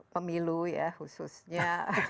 pemilu ya khususnya